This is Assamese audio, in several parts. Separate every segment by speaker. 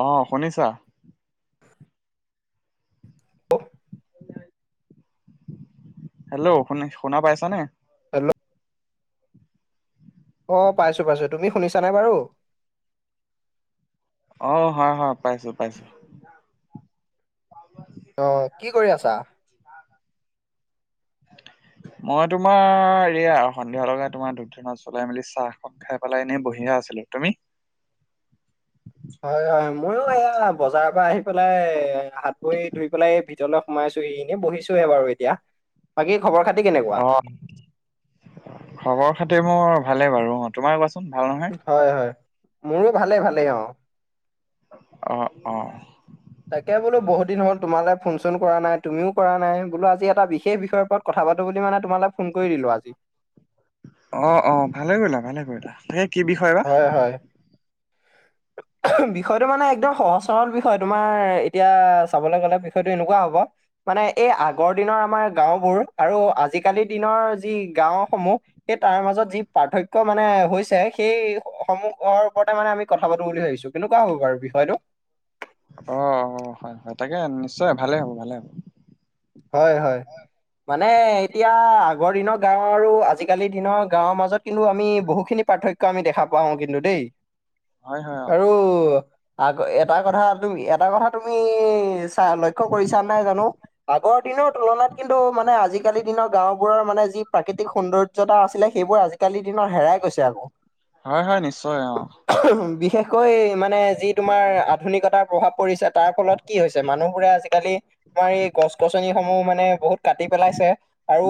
Speaker 1: অ শুনিছা?
Speaker 2: অ [inaudible]
Speaker 1: হেল্ল' শু শুনা পাইছা নে?
Speaker 2: হেল্ল', অ, পাইছো-পাইছো তুমি শুনিছা নাই বাৰু?
Speaker 1: অঁ হয়-হয় পাইছোঁ-পাইছোঁ।
Speaker 2: অঁ কি কৰি আছা?
Speaker 1: অ [inaudible] মই তোমাৰ এয়া সন্ধিয়া লগাই তোমাৰ ধূপ-ধুনা জ্বলাই মেলি চাহ খাওঁ। খাই পেলাই এনেই বহিয়েই আছিলো। তুমি?
Speaker 2: হয় হয় ময়ো এয়া বজাৰৰ পৰা আহি পেলাই হাত ভই ধুই পেলাই এই ভিত- ৰলে সোমাইছোঁহি এনেই বহিছোহে বাৰু এতিয়া। বাকী খবৰ খাতি কেনেুকু-
Speaker 1: অঁ খবৰ খাতি মোৰ ভালে বাৰু অঁ তোমাৰ কোৱাচোন ভাল নহয়?
Speaker 2: হয় হয় মোৰো ভালে ভালেই অঁ।
Speaker 1: অঁ অঁ
Speaker 2: তাকে বোলো বহুত দিন হল তোমালে ফোন চোন কৰা নাই তুমিও কৰা নাই বোলো আজি এটা বিশেষ বিষয়ৰ ওপৰত- কথা পাতো বুলি মানে তোমালে ফোন কৰি দিলো আজি।
Speaker 1: অঁ অঁ ভালে কৰিলা ভালে কৰিলা তাকে কি বিষয় বা।
Speaker 2: হয় হয় বিষয়টো মানে একদম সহজ সৰল বিষয় তোমাৰ এতিয়া চাবলৈ গ'লে বিষয়টো এনেকুৱা হব- মানে এই আগৰ দিনৰ আমাৰ গাঁওবোৰ আৰু আজিকালি দিনৰ যি গাও সমূহ- সেই তাৰ মাজত যি পাৰ্থক্য মানে হৈছে সেই সমূহৰ ওপৰতে মানে আমি- কথা পাতো বুলি ভাবিছো কেনেকুৱা হব বাৰু বিষয়টো।
Speaker 1: অঁ অঁ হয় হয় তাকে নিশ্চয় ভালে হ'ব ভালে হ'ব।
Speaker 2: হয় হয়। মানে এতিয়া আগৰ দিনৰ গাঁও আৰু আজিকালি দিনৰ গাঁৱৰ মাজত। কিন্তু আমি বহুখিনি পাৰ্থক্য আমি দেখা পাওঁ কিন্তু দেই,
Speaker 1: হয় হয় অ
Speaker 2: আৰু- আকৌ এটা কথা তুমি এটা কথা তুমি চা লক্ষ্য কৰিছা নাই জানোঁ। আগৰ দিনৰ তুলনাত কিন্তু মানে আজিকালি দিনৰ গাঁওবোৰৰ মানে যি প্ৰাকৃতিক সৌন্দৰ্যতা আছিলে। সেইবোৰ আজিকালিৰ দিনত হেৰাই গৈছে আক।
Speaker 1: হয় হয় নিশ্চয় অঁ।
Speaker 2: বিশেষকৈ মানে যি তোমাৰ আধুনিকতাৰ প্ৰভাৱ। পৰিছে তাৰ ফলত কি হৈছে মানুহবোৰে আজিকালি তোমাৰ এই- গছ গছনিসমূহ মানে বহুত কাটি পেলাইছে,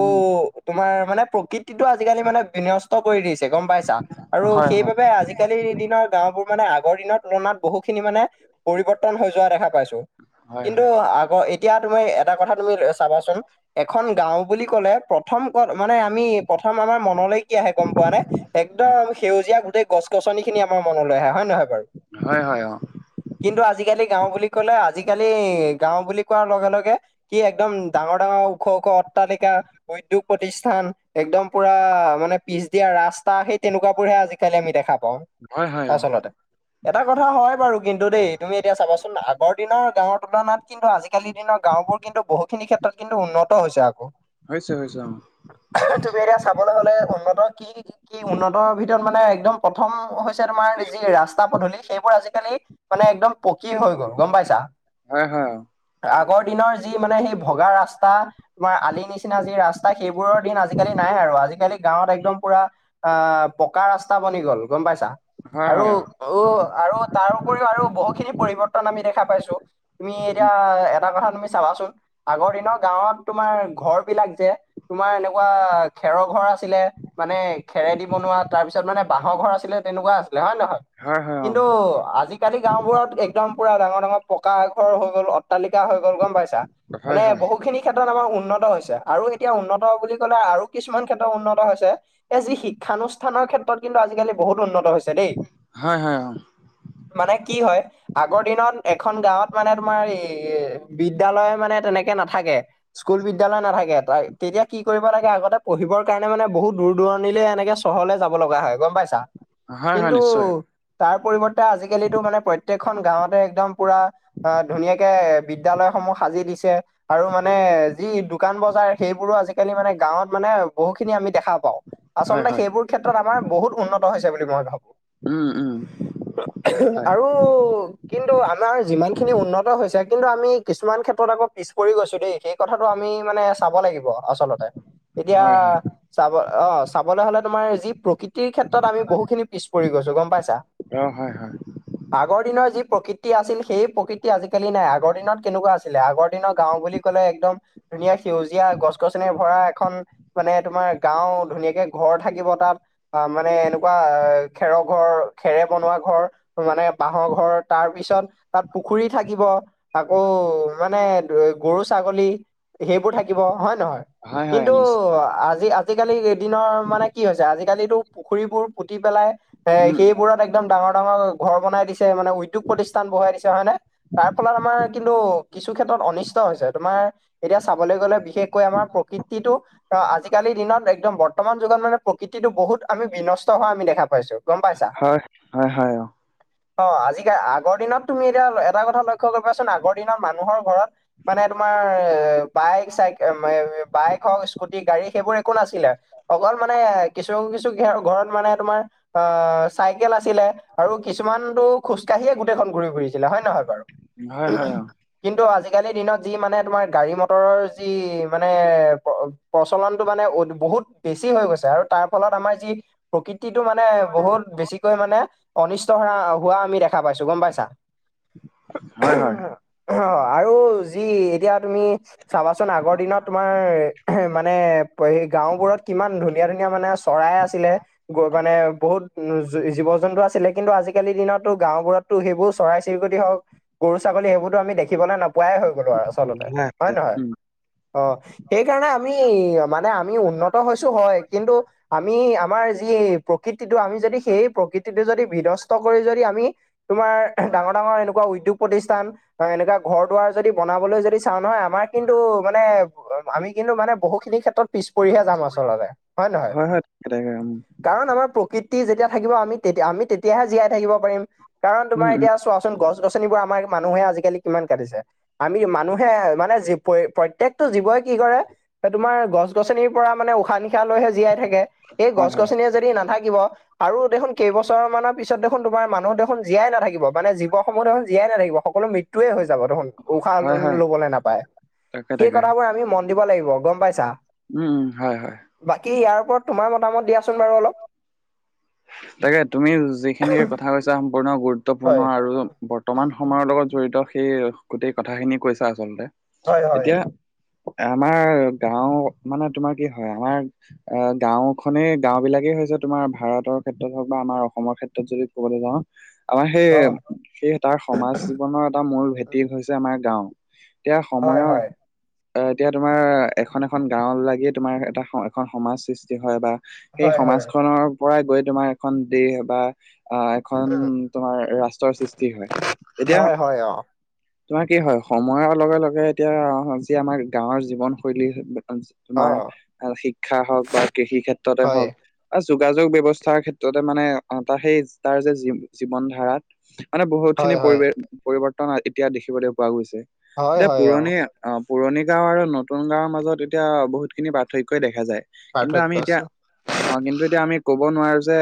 Speaker 1: উম
Speaker 2: তোমাৰ মানে প্ৰকৃতিটো আজিকালি মানে বিনষ্ট কৰি দিছে গম পাইছা। আৰু
Speaker 1: হয় হয়
Speaker 2: সেইবাবে আজিকালিৰ দিনত- গাঁওবোৰ মানে আগৰ দিনৰ তুলনাত বহু খিনি মানে পৰিৱৰ্তন হৈ যোৱা দেখা পাইছোঁ।
Speaker 1: হয়
Speaker 2: কিন্তু
Speaker 1: হয়
Speaker 2: আকৌ এতিয়া তুমি এটা কথা তুমি চাবাচোন- এখন গাওঁ বুলি কলে প্ৰথম ক'ত মানে আমি প্ৰথম আমাৰ মনলৈ কি আহে গম পোৱা নে? একদম সেউজীয়া গোটেই গছ গছনি খিনি আমাৰ মনলৈ আহে হয় নহয় বাৰু।
Speaker 1: হয় হয় অঁ।
Speaker 2: কিন্তু আজিকালি গাওঁ বুলি কলে আজিকালি গাওঁ বুলি কোৱাৰ লগে লগে- কি একদম ডাঙৰ ডাঙৰ ওখ ওখ অট্টালিকা- উদ্যোগ প্ৰতিষ্ঠান একদম পুৰা মানে পিছ দিয়া ৰাস্তা সেই তেনেকুৱাবোৰহে আজি- কেলে আমি দেখা পাওঁ
Speaker 1: হয় হয় অ
Speaker 2: আচলতে। এটা কথা হয় বাৰু কিন্তু দেই তুমি এতিয়া চাবাচোন আগৰ দিনৰ গাঁৱৰ তুলনাত কিন্তু আজি- আজিকালি দিনৰ গাঁওবোৰ কিন্তু বহুখিনি ক্ষেত্ৰত কিন্তু উন্নত হৈছে আকৌ।
Speaker 1: বুজিছো বুজিছো অঁ।
Speaker 2: তুমি এতিয়া চাবলৈ হলে উন্নত কি কি উন্নতৰ ভিতৰত মানে একদম প্ৰথম হৈছ- পিছে তোমাৰ যি ৰাস্তা পদূলি সেইবোৰ আজিকালি মানে একদম পকি হৈ গ'ল গম পাইছা?
Speaker 1: হয় -হয়
Speaker 2: আগৰ দিনৰ যি মানে সেই ভগা ৰাস্তা- তোমাৰ আলি নিচিনা যি ৰাস্তা সেইবোৰৰ দিন আজিকালি নাই আৰু আজিকালি গাঁৱত একদম পুৰা- আহ, পকা ৰাস্তা বনি গল গম পাইছা
Speaker 1: হয়
Speaker 2: আৰু
Speaker 1: হয় অ
Speaker 2: উ আৰু তাৰ উপৰিও আৰু বহুখিনি পৰিৱৰ্তন আমি দেখা পাইছো তুমি এতিয়া এটা কথা তুমি চাবাচোন আগৰ দিনৰ গাঁৱত তোমাৰ ঘৰ বিলাক যে তোমাৰ এনেকুৱা খেৰৰ ঘৰ আছিলে মানে খেৰেদি বনোৱা তাৰ পিছত মানে বাঁহৰ ঘৰ আছিলে তেনেকুৱা আছিলে হয় নে নহয়?
Speaker 1: হয় হয় অ
Speaker 2: কিন্তু আজিকালি গাওবোৰত একদম পুৰা ডাঙৰ-ডাঙৰ পকা ঘৰ হৈ গ'ল অত অট্টালিকা হৈ গ'ল গম পাইছা মানে
Speaker 1: হয় হয়
Speaker 2: বহু খিনি ক্ষেত্ৰত আমাৰ উন্নত হৈছে আৰু এতিয়া উন্নত বুলি ক'লে আৰু কিছুমান ক্ষেত্ৰত উন্নত হৈছে। এ যি শিক্ষানুষ্ঠানৰ ক্ষেত্ৰত কিন্তু আজিকালি বহুত উন্নত হৈছে দেই।
Speaker 1: হয় হয় অ
Speaker 2: মানে কি হয় আগৰ দিনত এখন গাঁৱত মানে তোমাৰ এই এই বিদ্যালয় মানে তেনেকে নাথাকে। স্কুল বিদ্যালয় নাথাকে তাই তেতিয়া কি কৰিব লাগে আগতে পঢ়িবৰ কাৰণে মানে বহুত দূৰ দূৰণিলে এনেকে চহৰলৈ যাব লগা হয় গম পাইছা।
Speaker 1: হয় হয়
Speaker 2: কিন্তু
Speaker 1: নিশ্চয়
Speaker 2: তাৰ পৰিৱৰ্তে আজিকালিটো মানে প্ৰত্যেকখন গাঁৱতে একদম পুৰা অ, ধুনীয়াক কে বিদ্যালয় সমূহ সাজি দিছে আৰু মানে যি দোকান বজাৰ সেইবোৰো আজিকালি আজিকালি মানে গাঁৱত মানে বহু খিনি আমি দেখা পাও
Speaker 1: হয়
Speaker 2: আচলতে
Speaker 1: হয়
Speaker 2: সেইবোৰ ক্ষেত্ৰত আমাৰ বহুত উন্নত হৈছে বুলি মই ভাবো।
Speaker 1: উম উম হয়
Speaker 2: আৰু কিন্তু আমাৰ যিমান খিনি উন্নত হৈছে যে কিন্তু আমি কিছুমান ক্ষেত্ৰত আকৌ পিছ পৰিওঁ আছোঁ দেই সেই কথাটো আমি মানে চাব লাগিব। আচলতে এতিয়া
Speaker 1: হয় হয়
Speaker 2: চাব অ, চাবলে হলে তোমাৰ যি প্ৰকৃতি তিৰ ক্ষেত্ৰত আমি বহুখিনি পিছ পৰি গৈছো গম পাইছা।
Speaker 1: অ হয় হয়
Speaker 2: আগৰ দিনৰ যি প্ৰকৃতি আছিল সেই প্ৰকৃতি আজিকালি নাই আগৰ দিনত কেনেকুৱা আছ ছিলে আগৰ দিনৰ গাও বুলি ক'লে একদম ধুনীয়া সেউজীয়া গছ -গছনি ভৰা এখন মানে তোমাৰ গাও ধুনীয়াকে ঘৰ থাকিব তাত। আ, মানে এনেকুৱা খেৰৰ ঘৰ খেৰে বনোৱা ঘৰ মানে বাঁহৰ ঘৰ তাৰ পিছত তাত পুখুৰী থাকিব। আকৌ মানে গৰু, ছাগলী সেইবোৰ থাকিব হয় নহয়
Speaker 1: হয় হয়
Speaker 2: কিন্তু
Speaker 1: নিশ্চয়
Speaker 2: আজি আজ আজিকালি এদিনৰ মানে কি হৈছে আজিকালিতো পুখুৰীবোৰ পুতি পেলাই এ
Speaker 1: উম
Speaker 2: সেইবোৰত একদম একদম ডাঙৰ -? ডাঙৰ ঘৰ বনাই দিছে মানে উদ্যোগ প্ৰতিষ্ঠান বহাই দিছে হয় নে তাৰ ফলত আমাৰ কিন্তু কিছু ক্ষেত্ৰত অনিষ্ট হৈছে তোমাৰ এতিয়া চাবলৈ গলে বিশেষকৈ আমাৰ প্ৰকৃতিটো আজি আজিকালি দিনত একদম বৰ্তমান যুগত মানে প্ৰকৃতিটো বহুত আমি বিনষ্ট হোৱা আমি দেখা পাইছোঁ। গম পাইছা
Speaker 1: হয় হয় হয় অ
Speaker 2: অ, আজিকাল আগৰ দিনত তুমি এতিয়া এত এটা কথা লক্ষ্য কৰিবাচোন আগৰ দিনৰ মানুহৰ ঘৰত মানে তোমাৰ বাইক চাইক [unintelligible] বাইক হওক স্কুটি গাড়ী সেইবোৰ একো নাছিলে। অকল মানে কিছু- কিছু ঘৰত মানে তোমাৰ অহ, চাইকেল আছিলে আৰু কিছুমানটো খোজকাঢ়িয়ে গোটেইখন ঘূৰি ফুৰিছিলে হয় নে নহয় বাৰু?
Speaker 1: হয় -হয় অ।
Speaker 2: কিন্তু আজিকালি দিনত যি মানে তোমাৰ গাড়ী মটৰৰ যি মানে প প্ৰচলনটো মানে বহুত বেছি হৈ গৈছে আৰু তাৰ ফলত আমাৰ যি প্ৰকৃতিটো মানে বহুত বেছিকৈ মানে অনিষ্ট হাৰা হোৱা আমি দেখা পাইছোঁ গম পাইছা?
Speaker 1: হয়- হয়
Speaker 2: [unintelligible] আৰু যি এতিয়া তুমি চাবাচোন আগৰ দিনত তোমাৰ মানে [unintelligible] গাঁওবোৰত কিমান ধুনীয়া -ধুনীয়া মানে চৰাই আছিলে গৈ মানে বহুত উম, জীৱ জন্তু আছিলে কিন্তু আজিকালি দিনতো গাঁও বোৰততো সেইবোৰ চৰাই [unintelligible] হওক গৰু, ছাগলী সেইবোৰতো আমি দেখিবলৈ নোপোৱাই হৈ গলো আৰু আচলতে হয় নহয়?
Speaker 1: উম
Speaker 2: অ, এইকাৰণে আমি মানে আমি উন্নত হৈছো হয় কিন্তু আমি আমাৰ যি প্ৰকৃতিটো আমি যদি সেই প্ৰকৃতিটো যদি বিনষ্ট কৰি যদি আমি তোমাৰ ডাঙৰ- ডাঙৰ এনেকুৱা উদ্যোগ প্ৰতিষ্ঠান অ, এনেকা ঘৰ -দুৱাৰ যদি বনাবলৈ যদি চাওঁ নহয় আমাৰ কিন্তু মানে আমি কিন্তু মানে বহুত খিনি ক্ষেত্ৰত পিছ পৰিহে যাম আচলতে হয় নে নহয়?
Speaker 1: এটা [unintelligible]
Speaker 2: কাৰণ আমাৰ প্ৰকৃতি যেতিয়া থাকিব আমি তেতিয়া আমি তেতিয়াহে জীয়াই থাকিব পাৰিম কাৰণ
Speaker 1: উম উম
Speaker 2: তোমাৰ
Speaker 1: উম
Speaker 2: এতিয়া চোৱাচোন গছ -গছনিবোৰ আমাৰ মানুহে আজিকালি কিমান কাটিছে। আমি মানুহে মানে জীৱ প্ৰত্যেকটো জীৱই কি কৰে এ তোমাৰ গছ -গছনিৰ পৰা মানে উশাহ- নিশাহ লৈহে জীয়াই থাকে। এই
Speaker 1: হয়
Speaker 2: গছ-
Speaker 1: হয়
Speaker 2: গছনিয়ে যদি নাথাকিব আৰু দেখোন কেইবছৰ মানত পিছত দেখোন তোমাৰ মানুহ দেখোন জীয়াই নাথাকিব মানে জীৱসমূহ দেখোন জীয়াই নাাকিব সকলো মৃত ত্যুই হৈ যাব দেখোন উশাহ
Speaker 1: হয় হয়
Speaker 2: লবলৈ নাপায়
Speaker 1: তাকে
Speaker 2: সেই
Speaker 1: তাকে
Speaker 2: কথাবোৰ আমি মন দিব লাগিব গম পাইছা?
Speaker 1: উম, হয়-হয়
Speaker 2: বাকী ইয়াৰ ওপৰত তোমাৰ মতামত দিয়াচোন বাৰু অলপ?
Speaker 1: তাকে তুমি যিখিনি কথা কৈছা সম্পূৰ্ণ
Speaker 2: হয়
Speaker 1: গুৰুত্বপূৰ্ণ আৰু বৰ্তমান সময়ৰ লগত জড়িত সেই গোটেই কথাখিনি কৈছা আচলতে
Speaker 2: হয় হয়।
Speaker 1: এতিয়া আমাৰ গাঁও মানে তোমাৰ কি হয় আমাৰ অ, গাঁওখনেই গাওঁ বিলাকেই হৈছে তোমাৰ ভাৰতত ক্ষেত্ৰত হওক বা আমাৰ অসমৰ ক্ষেত্ৰত যদি ক'বলে যাওঁ আমাৰ
Speaker 2: অ',
Speaker 1: সেই- সেই তাৰ সমাজ জীৱনৰ এটা মূল ভেটি হৈছে আমাৰ গাঁও। এতিয়া
Speaker 2: হয়,
Speaker 1: সময়ৰ
Speaker 2: হয়,
Speaker 1: অ, এতিয়া তোমাৰ এখন- এখন গাঁও লাগি তোমাৰ এটা এখন সমাজ সৃষ্টি হয় বা সেই
Speaker 2: হয়, হয়।
Speaker 1: সমাজখনৰ পৰাই গৈ তোমাৰ এখন দেহ বা আহ, এখন তোমাৰ ৰাষ্ট্ৰৰ সৃষ্টি হয় এতিয়া
Speaker 2: হয়, হয়, অ',
Speaker 1: তোমাৰ কি হয় সময়ৰ লগে -লগে এতিয়া যি আমাৰ গাঁৱৰ জীৱনশৈলী [unintelligible]
Speaker 2: অ',
Speaker 1: তোমাৰ শিক্ষা হওক বা কৃষি ক্ষেত্ৰতে
Speaker 2: হয়,
Speaker 1: হওক অ, যোগাযোগ ব্যৱস্থা তাৰ ক্ষেত্ৰতে মানে তাৰ সেই তাৰ যে জীৱন ধাৰাত মানে বহুত
Speaker 2: হয়,
Speaker 1: খিনি
Speaker 2: হয়,
Speaker 1: পৰিৱেশ পৰিৱৰ্তন এতিয়া দেখিবলৈ পোৱা গৈছে
Speaker 2: হয়,
Speaker 1: এতিয়া
Speaker 2: হয়,
Speaker 1: পুৰণি অ, পুৰণি গাওঁ আৰু নতুন গাঁওৰ মাজত এতিয়া বহুতখিনি পাৰ্থক্যই দেখা যায়। কিন্তু
Speaker 2: পাৰ্থক্য
Speaker 1: আমি এতিয়া
Speaker 2: আছে,
Speaker 1: অ, কিন্তু এতিয়া আমি ক'ব ক'ব নোৱাৰে যে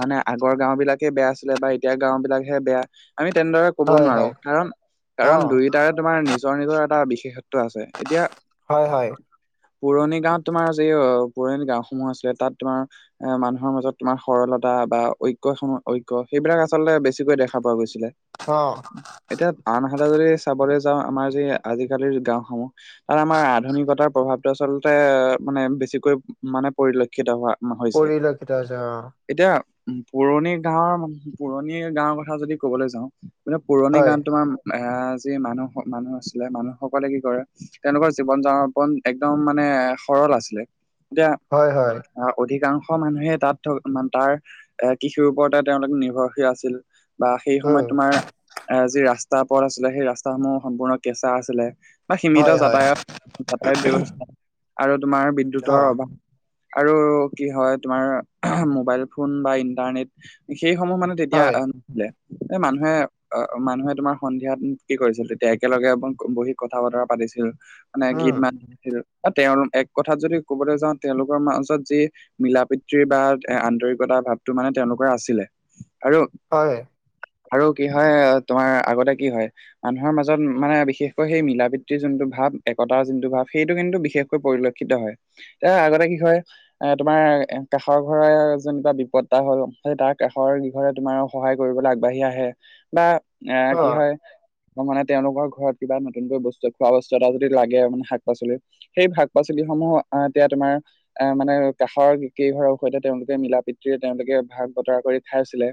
Speaker 1: মানে আগৰ গাওঁ বিলাকে বেয়া আছিলে বা এতিয়া গাওঁ বিলাকহে বেয়া। আমি তেনেদৰে ক'ব
Speaker 2: হয়,
Speaker 1: নোৱাৰো
Speaker 2: হয়,
Speaker 1: কাৰণ- কাৰণ
Speaker 2: অ',
Speaker 1: দুই তাৰে তোমাৰ নিজৰ নিজৰ এটা বিশেষত্ব আছে এতিয়া
Speaker 2: হয়, হয়,
Speaker 1: পুৰণি গাঁওত তোমাৰ যি পুৰণি গাঁওসমূহ আছিলে তাত তোমাৰ এ মানুহৰ মাজত তোমাৰ সৰলতা বা ঐক্য সময়তঐক্য সেইবিলাক আচলতে বেছিকৈ দেখা পোৱা গৈছিলে।
Speaker 2: অ',
Speaker 1: এতিয়া আনহাতে যদি চাবলৈ যাওঁ আমাৰ যি আজিকালিৰ গাঁওসমূহ তাত আমাৰ আধুনিকতাৰ প্ৰভাৱটো আচলতে মানে বেছিকৈ মানে পৰিলক্ষিত শিক্ষিত হোৱা মন হৈছে।
Speaker 2: এতিয়া যে অ।
Speaker 1: এতিয়া উম পুৰণি গাঁৱৰ -পুৰণি গাঁৱৰ কথা যদি কবলে যাওঁ মানে পুৰণি
Speaker 2: হয়,
Speaker 1: গান তোমাৰ এ যি মানুহ -মানুহ আছিলে মানুহসকলে কি কৰে তেওঁলোকৰ জীৱন যামপন একদম মানে সৰল আছিলে। এতিয়া
Speaker 2: হয়, হয়,
Speaker 1: অধিকাংশ কাংশ মানুহে তাত থ, মান তাৰ এ কৃষিৰ ওপৰতে তেওঁলোক নিৰ্ভৰশীল আছিল। বা সেই
Speaker 2: উম,
Speaker 1: সময়ত তোমাৰ এ যি ৰাস্তা পথ আছিলে সেই ৰাস্তাসমূহ সম্পূৰ্ণ কেঁচা আছিলে। বা সীমিত
Speaker 2: হয়, হয়,
Speaker 1: যাতায়ত যাতায়াত ব্যৱস্থা আৰু তোমাৰ বিদ্যুতৰ
Speaker 2: অ',
Speaker 1: অভাৱ আৰু কি হয় তোমাৰ মোবাইল ফোন বা ইন্টাৰনেট সেইসমূহ মানে তেতিয়া
Speaker 2: হয়,
Speaker 1: নহলে এই মানুহে অ, মানুহে তোমাৰ সন্ধিয়াত কি কৰিছিল তেতিয়া একেলগে [unintelligible] বহি কথা-বতৰা পাতিছিল। মানে
Speaker 2: উম,
Speaker 1: ঘিত মাত সেইটো বা তেওঁল এক কথাত যদি ক'বলে যাওঁ তেওঁলোকৰ মাজত যি মিলা পিতৃৰ বা এ আন্তৰিকতা ভাৱটো মানে তেওঁলোকৰ আছিলে আৰু-
Speaker 2: হয়
Speaker 1: আৰু কি হয় তোমাৰ আগতে কি হয়। মানুহৰ মাজত মানে বিশেষকৈ সেই মিলাপ্ৰীতিৰ যোনটো ভাৱ একতাৰ যোনটো ভাৱ সেইটো কিন্তু বিশেষ পৰিলক্ষিত হয় এ আগতে কি হয় এ তোমাৰ কাষৰ ঘৰে যেনিবা বিপদ‌ এটা হ'ল সেই তাৰ কাষৰ যি ঘৰে তোমাৰ সহায় কৰিবলৈ আগবাঢ়ি আহে। বা আহ
Speaker 2: অ',
Speaker 1: কি হয় অ মানে তেওঁলোকৰ ঘৰত কিবা নতুনকৈ বস্তু খোৱা বস্তু এটা যদি লাগে মানে শাক পাচলি সেই শাক পাচলি সমূহ আহ এতিয়া তোমাৰ এ মানে কাষৰ কেইঘৰৰ সৈতে তেওঁলোকে মিলা প্ৰীতিৰে তেওঁলোকে ভাগ বতৰা কৰি খাই আছিলে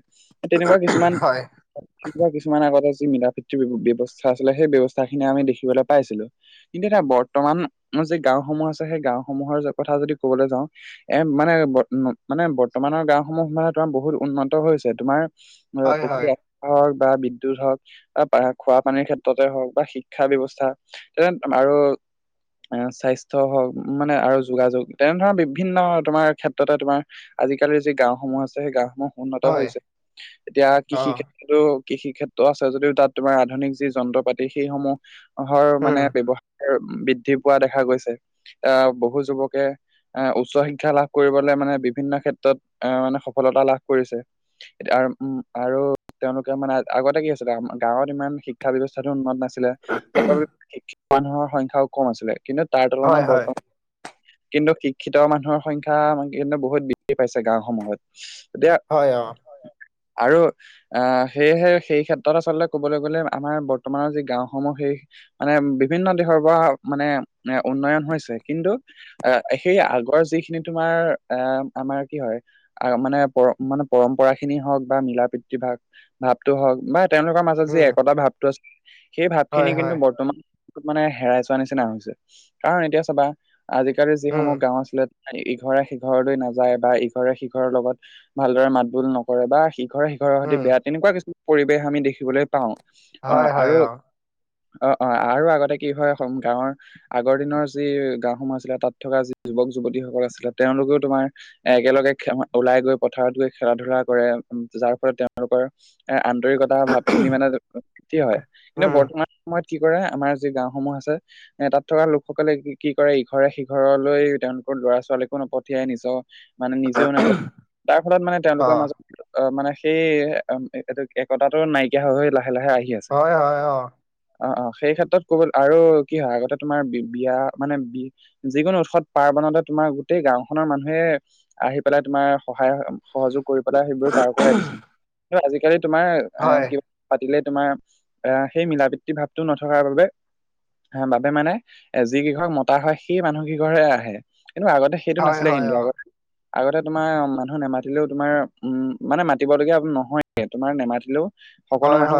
Speaker 1: তেনেকোৱা কিছুমান
Speaker 2: হয়,
Speaker 1: তেনেকোৱা কিছুমান আগতে যি মিলা প্ৰীতিৰ ব্যৱস্থা আছিলে সেই ব্যৱস্থাখিনি আমি দেখিবলৈ পাইছিলো কিন্তু এটা বৰ্তমান যি গাওসমূহ আছে সেই গাওসমূহৰ কথা যদি কবলৈ যাওঁ এ মানে মানে বৰ্তমানৰ গাঁওসমূহ মানে তোমাৰ বহুত উন্নত হৈছে তোমাৰ এ
Speaker 2: হয়, হয়,
Speaker 1: প্ৰক্ৰিয়াত হওক বা বিদ্যুত হওক বা খোৱা পানীৰ ক্ষেত্ৰতে হওক বা শিক্ষা ব্যৱস্থা। তে আৰু- এ স্বাস্থ্য হওক মানে আৰু যোগাযোগ তেনে ধৰণৰ বিভিন্ন- তোমাৰ ক্ষেত্ৰতে তোমাৰ আজি কালি যি গাঁওসমূহ আ সেই গাঁওসমূহ - উন্নত
Speaker 2: হয়,
Speaker 1: হৈছে, এতিয়া কৃষি-
Speaker 2: অ',
Speaker 1: টো কৃষি ক্ষেত্ৰ আছে যদিও তাত তোমাৰ আধুনিক যি যন্ত্ৰ পাতি সেইসমূহ- ৰ মানে
Speaker 2: উম,
Speaker 1: ব্যৱ- বৃদ্ধি পোৱা দেখা গৈছে, এ বহু যুৱকে আহ উচ্চ শি- ক্ষা লাভ কৰিবলে মানে বিভিন্ন ক্ষেত্ৰত এ মানে সফলতা লাভ কৰিছে। আৰু উম আৰু- তেওঁলোকে মানে আগতে কি আছিলে গাঁৱত ইমান শিক্ষা ব্যৱস্থাতো উন্নত নাছিল। দিলে, তাৰ শিক্ষ মানুহৰ সংখ্যাও কম আছিলে কিন্তু তাৰ
Speaker 2: হয়,
Speaker 1: তুলনাত
Speaker 2: হয়,
Speaker 1: বৰ্তমান- কিন্তু শিক্ষিত মানুহৰ সংখ্যা আন কিন্তু বহুত বৃদ্ধি পাইছে গাঁওসমূহত, এতিয়া-
Speaker 2: হয় অঁ।
Speaker 1: আৰু আহ সেয়েহে সেই ক্ষেত্ৰত আচলতে ক'বলৈ গলে আমাৰ বৰ্তমানৰ যি গাঁওসমূহ সেই- মানে বিভিন্ন দেশৰ পৰা মানে এ উন্নয়ন হৈছে, কিন্তু- আহ সেই আগৰ যিখিনি তোমাৰ আহ আমাৰ কি হয়? মানে পৰ মানে পৰম্পৰা খিনি হওক বা মিলা প্ৰীতিৰ ভাগ ভাৱটো হওক বা তেওঁলোকৰ মাজত- যি
Speaker 2: উম,
Speaker 1: একতা ভাৱটো আছিল সেই
Speaker 2: হয়,
Speaker 1: ভাৱখিনি কিন্তু
Speaker 2: হয়,
Speaker 1: বৰ্তমান- মানে হেৰাই যোৱা নিচিনা হৈছে, কাৰণ এতিয়া চবা আজিকালি
Speaker 2: উম,
Speaker 1: যিসমূহ গাওঁ আছিলে- ইঘৰে সিঘৰলৈ নাযায় বা ইঘৰে সিঘৰৰ লগত ভালদৰে মাত বোল নকৰে, বা সিঘৰে- ইঘৰৰ সৈতে
Speaker 2: উম,
Speaker 1: বেয়া তেনেকোৱা কিছু পৰিৱেশ আমি দেখিবলৈ পাওঁ।
Speaker 2: হয়,
Speaker 1: অহ
Speaker 2: হয়,
Speaker 1: আৰু-
Speaker 2: অ',
Speaker 1: অঁ অঁ আৰু আগতে কি হয় এখন গাঁৱৰ- আগৰ দিনৰ যি গাঁওসমূহ আছিলে, তাত থকা যি যুৱক যুৱতীসকল আছিলে তেওঁলোকেও তোমাৰ- এ একেলগে ওলাই গৈ পথাৰত গৈ খেলা ধূলা কৰে, যাৰ ফলত তেওঁলোকৰ- এ আন্তৰিকতাৰ ভাৱ খিনি মানে- কি হয় কিন্তু
Speaker 2: উম,
Speaker 1: বৰ্তমান সময়ত কি কৰে আমাৰ যি গাঁওসমূহ আছে। এ তাত থকা লোকসকলে কি কৰে ইঘৰে সিঘৰলৈ তেওঁলোক ল'ৰা ছোৱালীকো নপঠিয়াই নিজৰ মানে নিজেও নেজাই, তাৰ ফলত মানে তেওঁলোকৰ
Speaker 2: অ',
Speaker 1: মাজত অ মানে সেই এইটো একতাটো নাইকিয়া হৈ হৈ লাহে লাহে আহি আছ-
Speaker 2: হয়, হয়, অ।
Speaker 1: অ অ সেই ক্ষেত্ৰত কবল আৰু কি হয় আগতে তোমাৰ বিয়া মানে বি- যিকোনো উৎসৱ পাৰ্বনতে তোমাৰ গোটেই গাওঁখনৰ মানুহে আহি পেলাই তোমাৰ সহায়- সহযোগ কৰি পেলাই সেইবোৰ পাৰ কৰাই দিছিল, কিন্তু আজিকালি তোমাৰ এ
Speaker 2: হয়।
Speaker 1: কিবা- পাতিলে তোমাৰ অহ সেই মিলা প্ৰতি ভাৱটো নথকাৰ বাবে- বাবে মানে এ যি কেইঘৰ মতা হয় সেই মানুহ কেইঘৰহে আহে। কিন্তু আগতে সেইটো
Speaker 2: হয়
Speaker 1: নাছিলে
Speaker 2: হয়
Speaker 1: কিন্তু
Speaker 2: অ
Speaker 1: আগতে আগতে তোমাৰ মানুহ নেমাতিলেও তোমাৰ উম মানে মাতিবলগীয়া নহয়ে তোমাৰ নেমাতিলেও সকলো
Speaker 2: হয় হয়
Speaker 1: মানুহ